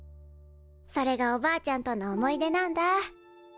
それがおばあちゃんとの思い出なんだ。